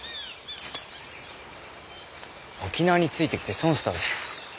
沖縄についてきて損したぜ。